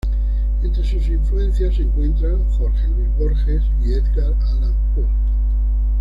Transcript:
Entre sus influencias se encuentran Jorge Luis Borges y Edgar Allan Poe.